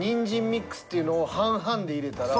ミックスっていうのを半々で入れたら。